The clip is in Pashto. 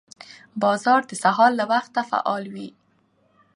بازار د سهار له وخته فعال وي